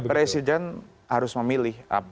presiden harus memilih